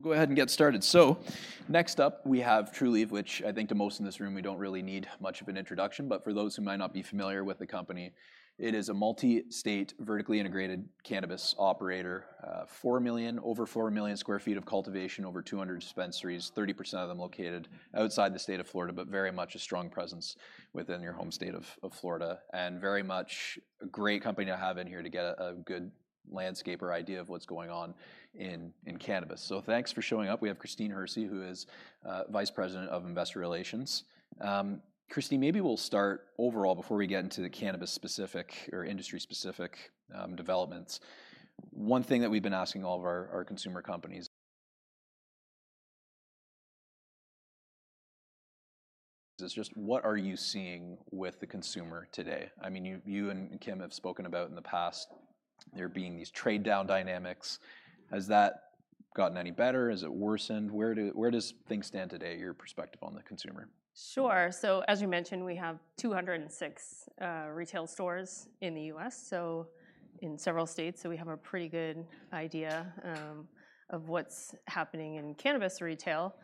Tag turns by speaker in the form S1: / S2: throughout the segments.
S1: Go ahead and get started. Next up, we have Trulieve, which I think to most in this room, we don't really need much of an introduction, for those who might not be familiar with the company, it is a multi-state, vertically integrated cannabis operator. Over 4 million sq ft of cultivation, over 200 dispensaries, 30% of them located outside the state of Florida, but very much a strong presence within your home state of Florida, and very much a great company to have in here to get a good landscape or idea of what's going on in cannabis. Thanks for showing up. We have Christine Hersey, who is Vice President of Investor Relations. Christine, maybe we'll start overall before we get into the cannabis-specific or industry-specific developments. One thing that we've been asking all of our consumer companies is just, what are you seeing with the consumer today? I mean, you and Kim have spoken about in the past, there being these trade-down dynamics. Has that gotten any better? Has it worsened? Where does things stand today, your perspective on the consumer?
S2: Sure. As you mentioned, we have 206 retail stores in the U.S., so in several states, so we have a pretty good idea of what's happening in cannabis retail.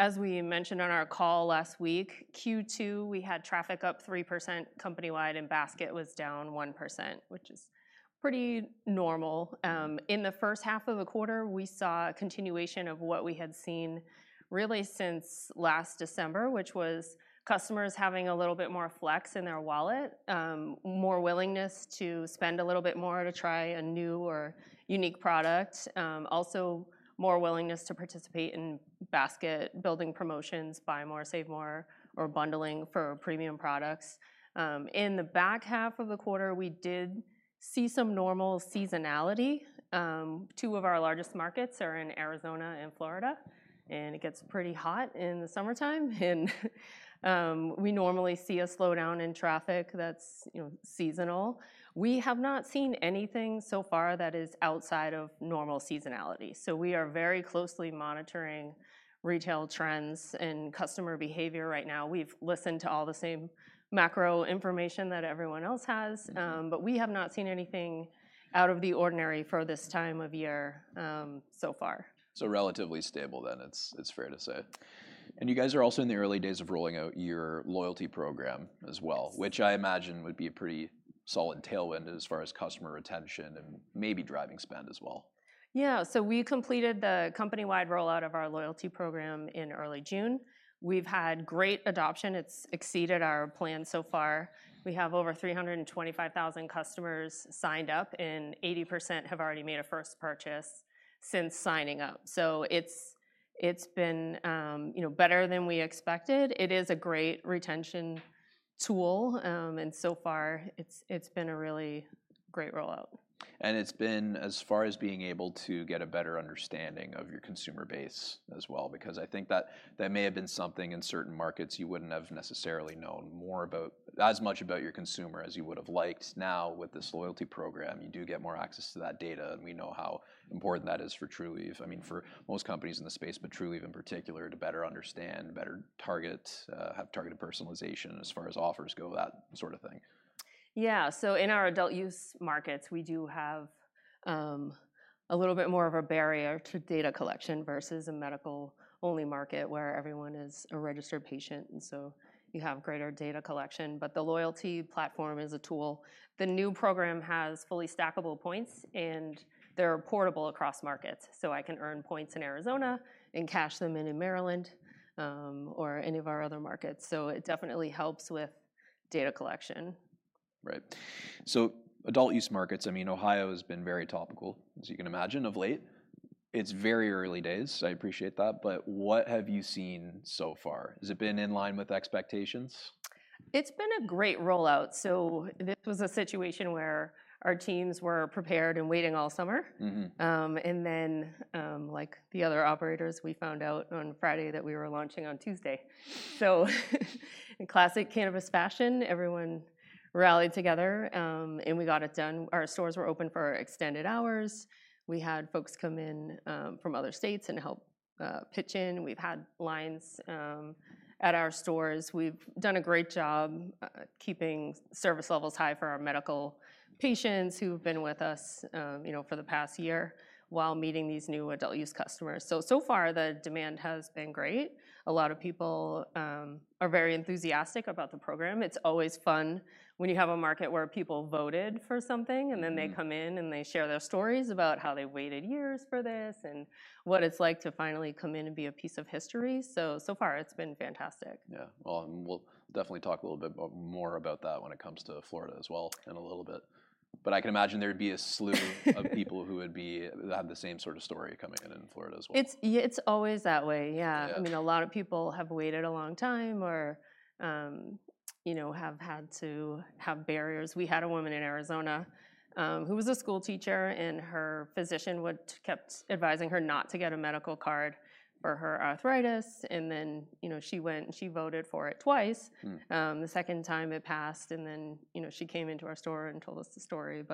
S2: As we mentioned on our call last week, Q2, we had traffic up 3% company-wide, and basket was down 1%, which is pretty normal. In the first half of the quarter, we saw a continuation of what we had seen really since last December, which was customers having a little bit more flex in their wallet, more willingness to spend a little bit more to try a new or unique product. Also, more willingness to participate in basket-building promotions, buy more, save more, or bundling for premium products. In the back half of the quarter, we did see some normal seasonality. Two of our largest markets are in Arizona and Florida, and it gets pretty hot in the summertime, and we normally see a slowdown in traffic that's, you know, seasonal. We have not seen anything so far that is outside of normal seasonality, we are very closely monitoring retail trends and customer behavior right now. We've listened to all the same macro information that everyone else has, we have not seen anything out of the ordinary for this time of year, so far.
S1: Relatively stable then. It's, it's fair to say. You guys are also in the early days of rolling out your loyalty program as well which I imagine would be a pretty solid tailwind as far as customer retention and maybe driving spend as well.
S2: We completed the company-wide rollout of our loyalty program in early June. We've had great adoption. It's exceeded our plan so far. We have over 325,000 customers signed up, and 80% have already made a first purchase since signing up. It's, it's been, you know, better than we expected. It is a great retention tool, and so far, it's, it's been a really great rollout.
S1: It's been, as far as being able to get a better understanding of your consumer base as well, because I think that that may have been something in certain markets you wouldn't have necessarily known more about, as much about your consumer as you would've liked. Now, with this loyalty program, you do get more access to that data, and we know how important that is for Trulieve. For most companies in the space, but Trulieve in particular, to better understand, better target, have targeted personalization as far as offers go, that sort of thing.
S2: In our adult-use markets, we do have, a little bit more of a barrier to data collection versus a medical-only market, where everyone is a registered patient, and so you have greater data collection. The loyalty platform is a tool. The new program has fully stackable points, and they're portable across markets. I can earn points in Arizona and cash them in in Maryland, or any of our other markets, so it definitely helps with data collection.
S1: Right. Adult-use markets, Ohio has been very topical, as you can imagine, of late. It's very early days, I appreciate that, but what have you seen so far? Has it been in line with expectations?
S2: It's been a great rollout. This was a situation where our teams were prepared and waiting all summer Like the other operators, we found out on Friday that we were launching on Tuesday. In classic cannabis fashion, everyone rallied together, and we got it done. Our stores were open for extended hours. We had folks come in from other states and help pitch in. We've had lines at our stores. We've done a great job keeping service levels high for our medical patients who've been with us, you know, for the past year, while meeting these new adult-use customers. Far, the demand has been great. A lot of people are very enthusiastic about the program. It's always fun when you have a market where people voted for something They come in, and they share their stories about how they waited years for this, and what it's like to finally come in and be a piece of history. So far, it's been fantastic.
S1: Well, and we'll definitely talk a little bit about, more about that when it comes to Florida as well, in a little bit. I can imagine there'd be a slew of people who would be, have the same sort of story coming in in Florida as well.
S2: It's, always that way. A lot of people have waited a long time or, you know, have had to have barriers. We had a woman in Arizona, who was a schoolteacher, and her physician would, kept advising her not to get a medical card for her arthritis, and then, you know, she went, and she voted for it twice. The second time it passed, and then, you know, she came into our store and told us the story.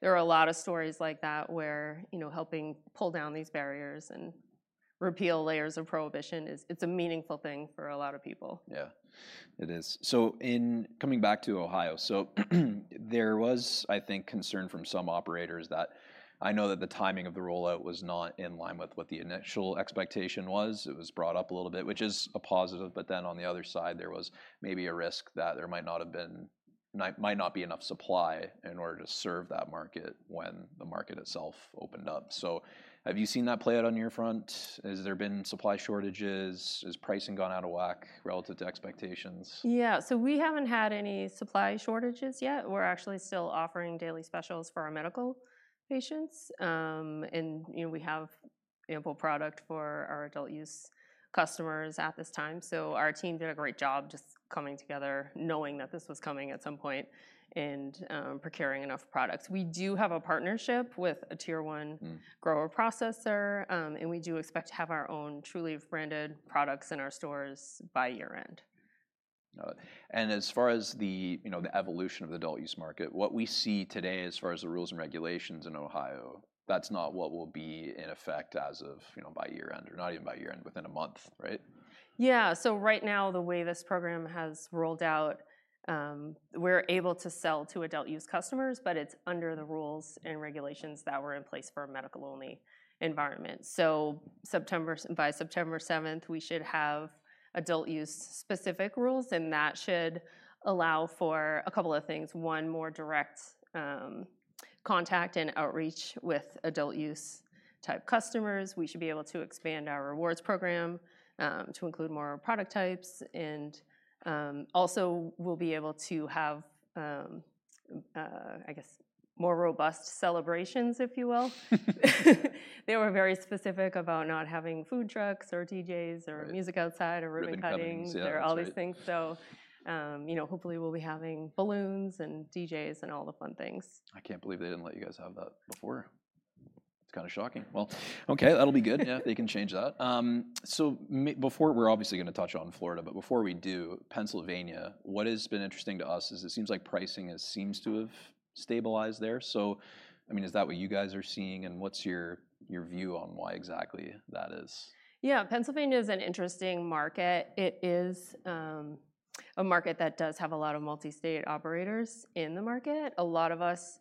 S2: There are a lot of stories like that where, you know, helping pull down these barriers and repeal layers of prohibition is, it's a meaningful thing for a lot of people.
S1: It is. In coming back to Ohio, so there was, I think, concern from some operators that I know that the timing of the rollout was not in line with what the initial expectation was. It was brought up a little bit, which is a positive, but then on the other side, there was maybe a risk that there might not have been, might not be enough supply in order to serve that market when the market itself opened up. So have you seen that play out on your front? Has there been supply shortages? Has pricing gone out of whack relative to expectations?
S2: We haven't had any supply shortages yet. We're actually still offering daily specials for our medical patients. You know, we have ample product for our adult use customers at this time. Our team did a great job just coming together, knowing that this was coming at some point, and procuring enough products. We do have a partnership with a tier one grower-processor, and we do expect to have our own truly branded products in our stores by year-end.
S1: All right. As far as the, you know, the evolution of the adult use market, what we see today as far as the rules and regulations in Ohio, that's not what will be in effect as of, you know, by year-end, or not even by year-end, within a month, right?
S2: Right now, the way this program has rolled out, we're able to sell to adult use customers, but it's under the rules and regulations that were in place for a medical-only environment. September, by September 7th, we should have adult use specific rules, and that should allow for a couple of things. One, more direct contact and outreach with adult use type customers. We should be able to expand our rewards program to include more product types, and also we'll be able to have, I guess, more robust celebrations, if you will. They were very specific about not having food trucks or DJs or music outside or ribbon cuttings-
S1: Ribbon cuttings, yeah. Right.
S2: All these things. You know, hopefully, we'll be having balloons and DJs and all the fun things.
S1: I can't believe they didn't let you guys have that before. It's kind of shocking. Well, okay, that'll be good. Yeah, they can change that. Before, we're obviously gonna touch on Florida, but before we do, Pennsylvania, what has been interesting to us is it seems like pricing has to have stabilized there. s that what you guys are seeing, and what's your view on why exactly that is?
S2: Pennsylvania is an interesting market. It is a market that does have a lot of multi-state operators in the market. A lot of us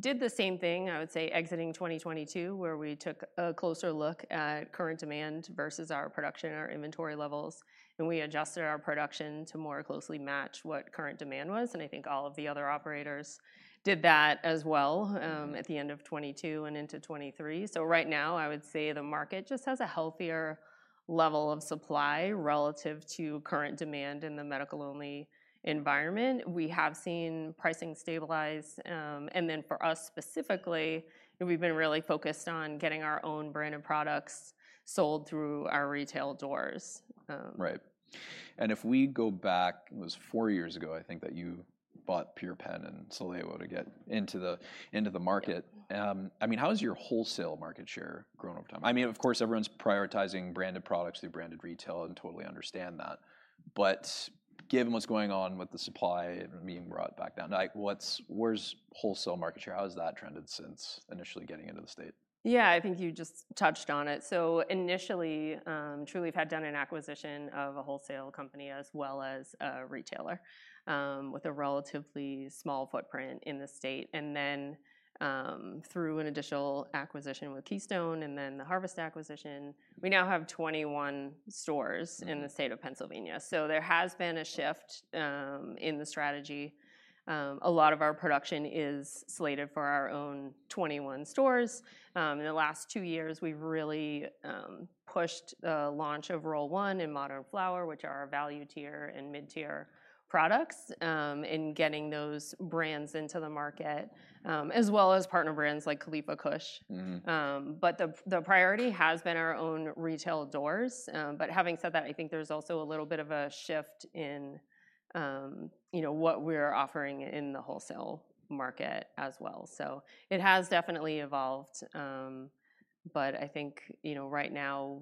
S2: did the same thing, I would say exiting 2022, where we took a closer look at current demand versus our production, our inventory levels, and we adjusted our production to more closely match what current demand was, and I think all of the other operators did that as well at the end of 2022 and into 2023. Right now, I would say the market just has a healthier level of supply relative to current demand in the medical-only environment. We have seen pricing stabilize, and then for us specifically, we've been really focused on getting our own brand of products sold through our retail doors.
S1: Right. If we go back, it was four years ago, I think, that you bought PurePenn and Solevo to get into the market. How has your wholesale market share grown over time? Of course, everyone's prioritizing branded products through branded retail, and totally understand that, but given what's going on with the supply and being brought back down, like, where's wholesale market share? How has that trended since initially getting into the state?
S2: I think you just touched on it. Initially, Trulieve, we've had done an acquisition of a wholesale company as well as a retailer, with a relatively small footprint in the state, and then, through an additional acquisition with Keystone and then the Harvest acquisition, we now have 21 stores in the state of Pennsylvania. There has been a shift in the strategy. A lot of our production is slated for our own 21 stores. In the last two years, we've really pushed the launch of Roll One and Modern Flower, which are our value tier and mid-tier products, in getting those brands into the market, as well as partner brands like Khalifa Kush. The priority has been our own retail doors. Having said that, I think there's also a little bit of a shift in, you know, what we're offering in the wholesale market as well. It has definitely evolved, but I think, you know, right now,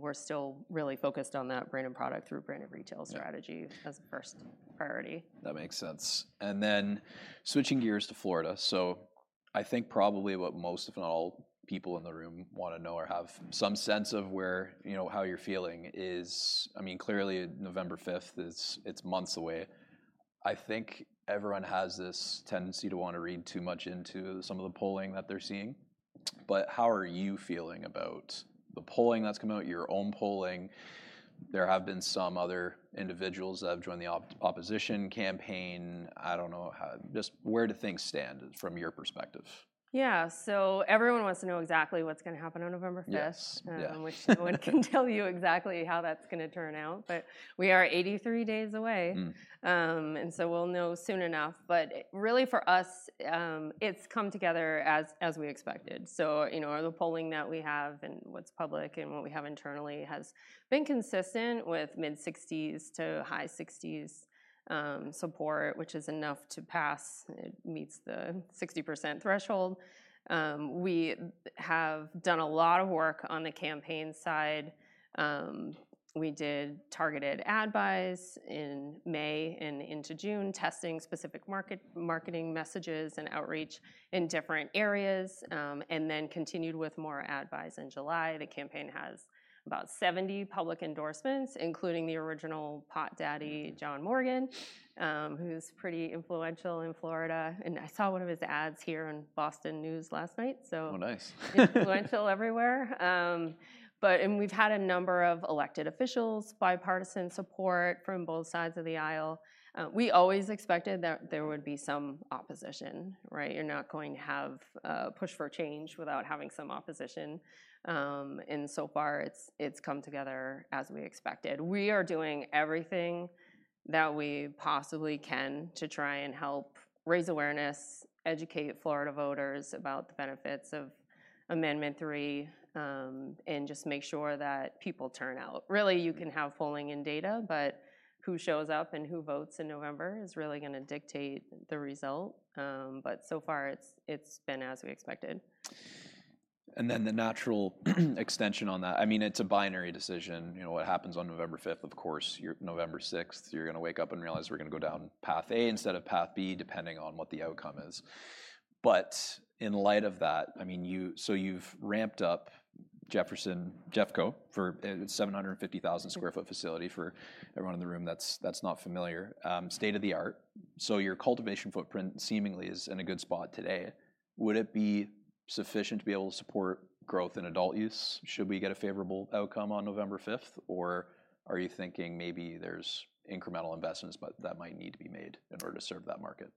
S2: we're still really focused on that branded product through branded retail strategy as a first priority.
S1: That makes sense. And then switching gears to Florida, so I think probably what most, if not all, people in the room want to know or have some sense of where, you know, how you're feeling is... I mean, clearly, November 5th, it's, it's months away. I think everyone has this tendency to want to read too much into some of the polling that they're seeing, but how are you feeling about the polling that's come out, your own polling? There have been some other individuals that have joined the opposition campaign. I don't know how, just where do things stand from your perspective?
S2: Everyone wants to know exactly what's gonna happen on 5 November which no one can tell you exactly how that's gonna turn out, but we are 83 days away We'll know soon enough. Really for us, it's come together as we expected. You know, the polling that we have and what's public and what we have internally has been consistent with mid-60s to high 60s support, which is enough to pass. It meets the 60% threshold. We have done a lot of work on the campaign side. We did targeted ad buys in May and into June, testing specific marketing messages and outreach in different areas, and then continued with more ad buys in July. The campaign has about 70 public endorsements, including the original Pot Daddy, John Morgan, who's pretty influential in Florida. I saw one of his ads here on Boston News last night.
S1: Oh, nice.
S2: He's influential everywhere. We've had a number of elected officials, bipartisan support from both sides of the aisle. We always expected that there would be some opposition, right? You're not going to have push for change without having some opposition. So far, it's come together as we expected. We are doing everything that we possibly can to try and help raise awareness, educate Florida voters about the benefits of Amendment 3, and just make sure that people turn out. Really you can have polling and data, but who shows up and who votes in November is really gonna dictate the result. But so far, it's been as we expected.
S1: The natural extension on that, it's a binary decision, you know, what happens on 5 November. Of course, November sixth, you're gonna wake up and realize we're gonna go down path A instead of path B, depending on what the outcome is. But in light of that, I mean, you. You've ramped up Jefferson, JeffCo, for 750,000 sq ft facility, for everyone in the room that's not familiar, state-of-the-art. Your cultivation footprint seemingly is in a good spot today. Would it be sufficient to be able to support growth in adult use should we get a favorable outcome on 5 November? Or are you thinking maybe there's incremental investments, but that might need to be made in order to serve that market?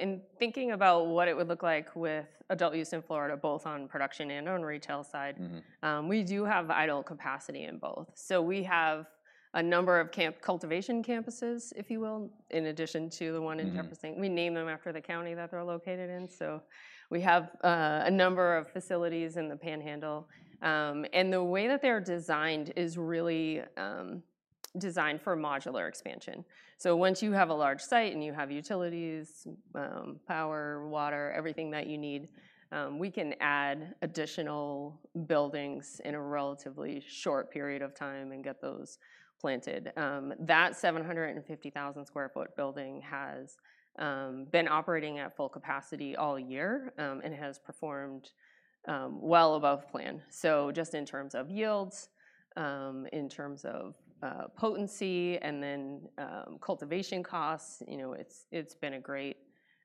S1: In thinking about what it would look like with adult-use in Florida, both on production and on retail side we do have idle capacity in both. We have a number of cultivation campuses, if you will, in addition to the one in Jefferson. We name them after the county that they're located in, so we have a number of facilities in the Panhandle. The way that they're designed is really designed for modular expansion. Once you have a large site and you have utilities, power, water, everything that you need, we can add additional buildings in a relatively short period of time and get those planted. That 750,000 sq ft building has been operating at full capacity all year, and has performed well above plan. Just in terms of yields, in terms of potency, and then cultivation costs, you know, it's been a great,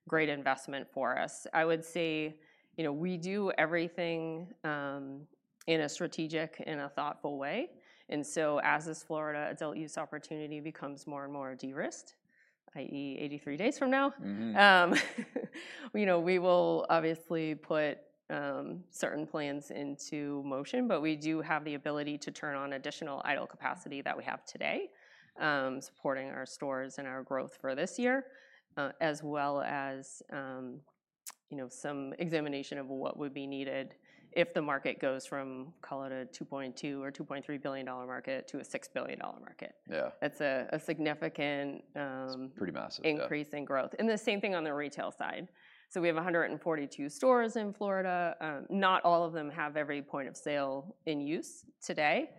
S1: great investment for us.
S2: I would say, you know, we do everything in a strategic and a thoughtful way, and so as this Florida adult use opportunity becomes more and more de-risked, .e, 83 days from now you know, we will obviously put certain plans into motion, but we do have the ability to turn on additional idle capacity that we have today supporting our stores and our growth for this year. As well as you know, some examination of what would be needed if the market goes from, call it a $2.2 billion or $2.3 billion market to a $6 billion market That's a significant.
S1: It's pretty massive, yeah.
S2: Increase in growth. And the same thing on the retail side. We have 142 stores in Florida, not all of them have every point of sale in use today.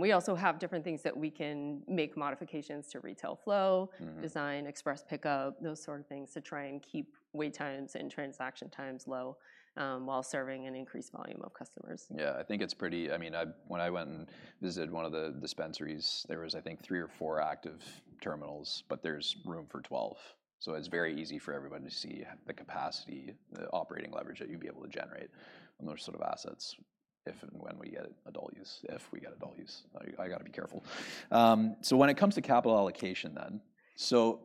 S2: We also have different things that we can make modifications design, express pickup, those sort of things, to try and keep wait times and transaction times low, while serving an increased volume of customers.
S1: I think it's pretty. When I went and visited one of the dispensaries, there was, I think, three or four active terminals, but there's room for 12. It's very easy for everyone to see the capacity, the operating leverage that you'd be able to generate on those sort of assets, if and when we get adult use. If we get adult use, I going to be careful. When it comes to capital allocation then, so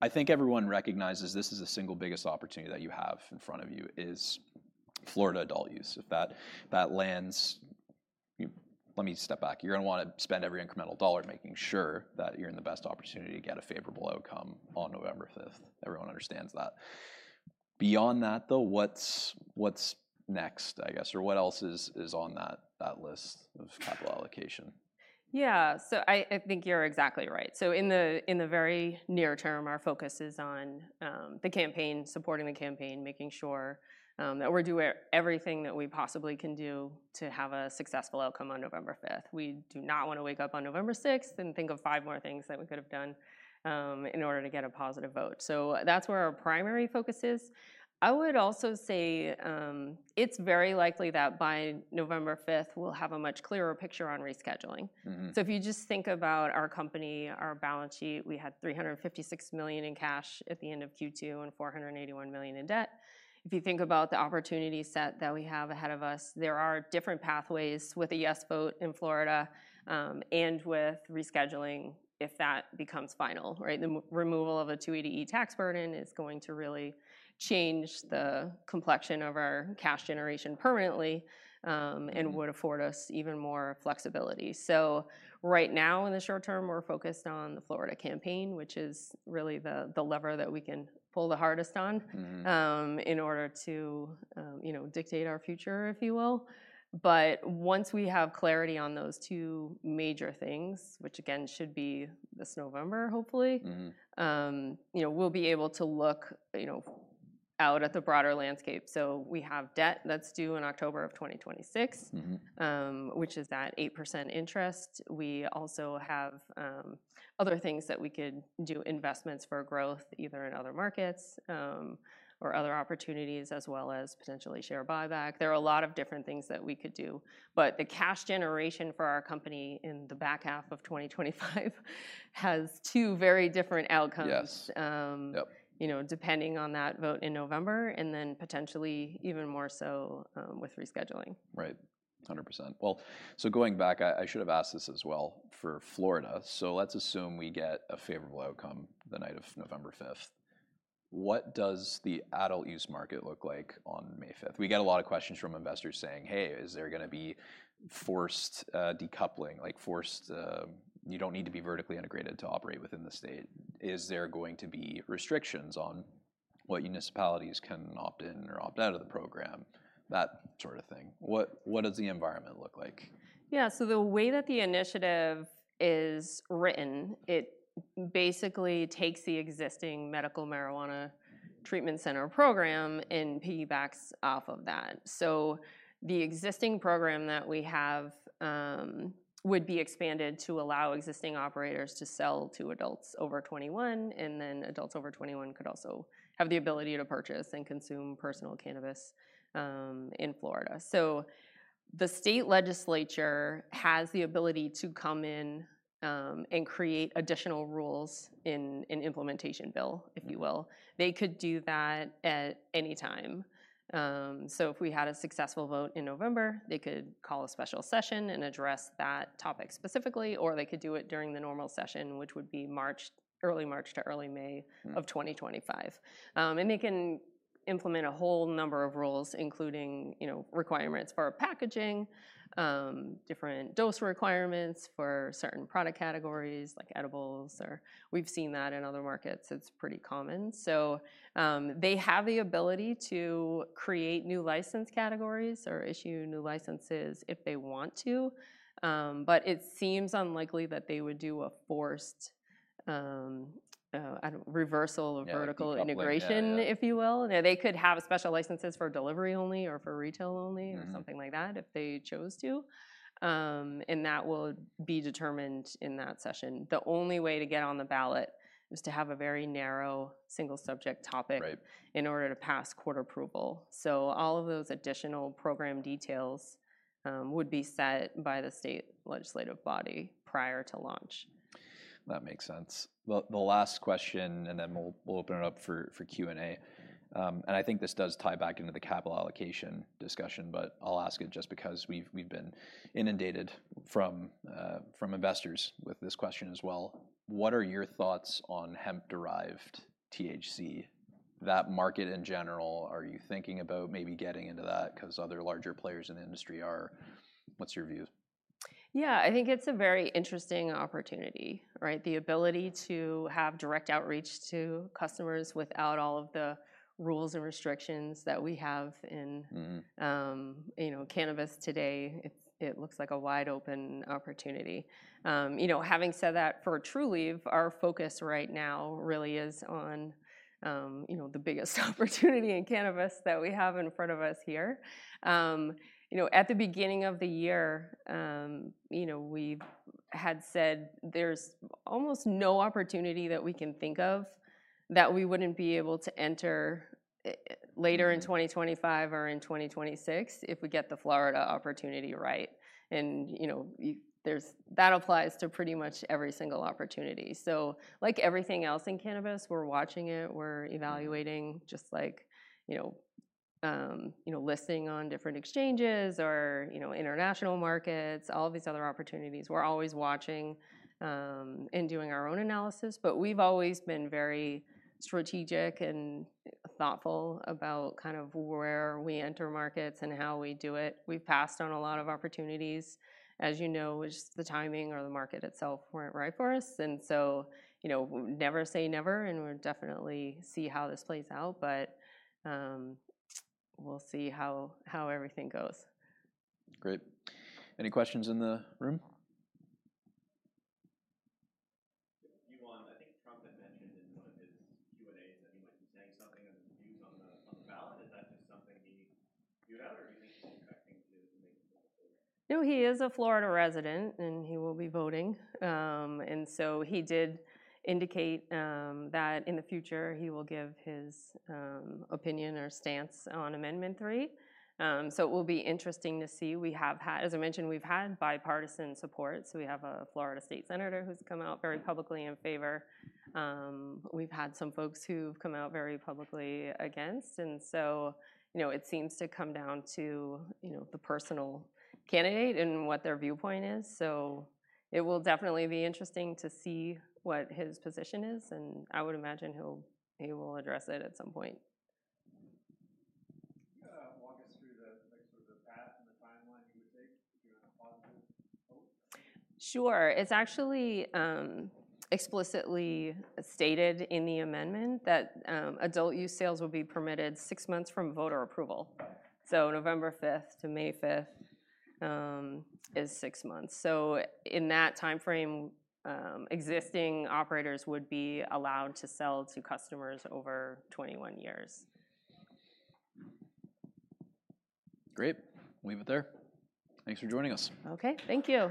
S1: I think everyone recognizes this is the single biggest opportunity that you have in front of you, is Florida adult use. If that lands, you let me step back. You're gonna wanna spend every incremental dollar making sure that you're in the best opportunity to get a favorable outcome on 5 November. Everyone understands that. Beyond that, though, what's next, I guess? Or what else is on that list of capital allocation?
S2: I think you're exactly right. In the very near term, our focus is on the campaign, supporting the campaign, making sure that we're doing everything that we possibly can do to have a successful outcome on 5 November. We do not wanna wake up on November sixth and think of five more things that we could have done in order to get a positive vote. That's where our primary focus is. I would also say it's very likely that by 5 November, we'll have a much clearer picture on rescheduling If you just think about our company, our balance sheet, we had $356 million in cash at the end of Q2, and $481 million in debt. If you think about the opportunity set that we have ahead of us, there are different pathways with a yes vote in Florida, and with rescheduling, if that becomes final, right? The removal of a 280E tax burden is going to really change the complexion of our cash generation permanently and would afford us even more flexibility. Right now, in the short term, we're focused on the Florida campaign, which is really the lever that we can pull the hardest on in order to, you know, dictate our future, if you will. Once we have clarity on those two major things, which again, should be this November, hopefully you know, we'll be able to look out at the broader landscape. We have debt that's due in October of 2026. Which is at 8% interest. We also have other things that we could do, investments for growth, either in other markets, or other opportunities, as well as potentially share buyback. There are a lot of different things that we could do, but the cash generation for our company in the back half of 2025 has two very different outcomes. You know, depending on that vote in November, and then potentially even more so, with rescheduling.
S1: Right. 100%. Well, so going back, I should have asked this as well for Florida: so let's assume we get a favorable outcome the night of November fifth, what does the adult-use market look like on May fifth? We get a lot of questions from investors saying, "Hey, is there gonna be forced decoupling, like forced... You don't need to be vertically integrated to operate within the state. Is there going to be restrictions on what municipalities can opt in or opt out of the program?" That sort of thing. What does the environment look like?
S2: The way that the initiative is written, it basically takes the existing medical marijuana treatment center program and piggybacks off of that. The existing program that we have would be expanded to allow existing operators to sell to adults over 21, and then adults over 21 could also have the ability to purchase and consume personal cannabis in Florida. The state legislature has the ability to come in and create additional rules in an implementation bill, if you will. They could do that at any time. If we had a successful vote in November, they could call a special session and address that topic specifically, or they could do it during the normal session, which would be March, early March to early May of 2025. And they can implement a whole number of rules, including, you know, requirements for packaging, different dose requirements for certain product categories, like edibles We've seen that in other markets, it's pretty common. So, they have the ability to create new license categories or issue new licenses if they want to, but it seems unlikely that they would do a forced, I don't, reversal-vertical integration.
S1: Something like that.
S2: If you will. They could have special licenses for delivery only or for retail only something like that, if they chose to. That will be determined in that session. The only way to get on the ballot is to have a very narrow, single-subject topic. In order to pass court approval. All of those additional program details would be set by the state legislative body prior to launch.
S1: That makes sense. Well, the last question, and then we'll, we'll open it up for, for Q&A. And I think this does tie back into the capital allocation discussion, but I'll ask it just because we've, we've been inundated from, from investors with this question as well. What are your thoughts on Hemp-derived THC, that market in general? Are you thinking about maybe getting into that? Because other larger players in the industry are. What's your view?
S2: I think it's a very interesting opportunity, right? The ability to have direct outreach to customers without all of the rules and restrictions that we have inyou know, cannabis today, it, it looks like a wide open opportunity. You know, having said that, for Trulieve, our focus right now really is on, you know, the biggest opportunity in cannabis that we have in front of us here. You know, at the beginning of the year, you know, we've had said there's almost no opportunity that we can think of that we wouldn't be able to enter later in 2025 or in 2026, if we get the Florida opportunity right. You know, there's, that applies to pretty much every single opportunity. Like everything else in cannabis, we're watching it, we're evaluating just like, you know, you know, listing on different exchanges or, you know, international markets, all of these other opportunities. We're always watching, and doing our own analysis, but we've always been very strategic and thoughtful about kind of where we enter markets and how we do it. We've passed on a lot of opportunities, as you know, just the timing or the market itself weren't right for us. You know, never say never, and we'll definitely see how this plays out, but, we'll see how everything goes.
S1: Great. Any questions in the room?
S3: I think Trump had mentioned in one of his Q&As that he might be saying something on the news on the ballot. Is that just something you know, or do you think he's impacting his making a decision?
S2: No, he is a Florida resident, and he will be voting. And so he did indicate that in the future he will give his opinion or stance on Amendment three. It will be interesting to see. As I mentioned, we've had bipartisan support, we have a Florida state senator who's come out very publicly in favor. We've had some folks who've come out very publicly against, and so, you know, it seems to come down to, you know, the personal candidate and what their viewpoint is. It will definitely be interesting to see what his position is, and I would imagine he'll, he will address it at some point.
S3: Can you walk us through the, like, sort of the path and the timeline he would take if he won a positive vote?
S2: Sure. It's actually explicitly stated in the amendment that adult-use sales will be permitted six months from voter approval.
S3: Right.
S2: 5 November to 5 May is six months. In that timeframe, existing operators would be allowed to sell to customers over 21 years.
S1: Great! We'll leave it there. Thanks for joining us.
S2: Okay. Thank you.